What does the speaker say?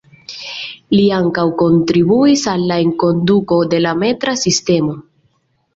Li ankaŭ kontribuis al la enkonduko de la metra sistemo.